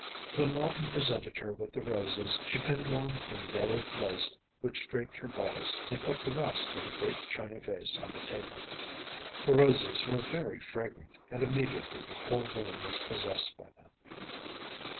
When Lawton presented her with the roses she pinned one in the yellowed lace which draped her bodice and put the rest in a great china vase on the table. The roses were very fragrant, and immediately the whole room was possessed by them.